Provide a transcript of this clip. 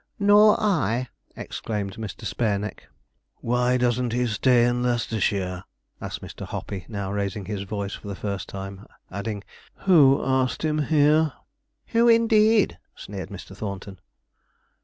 'Nor I!' exclaimed Mr. Spareneck. 'Why doesn't he stay in Leicestershire?' asked Mr. Hoppey, now raising his voice for the first time adding, 'Who asked him here?' 'Who, indeed?' sneered Mr. Thornton.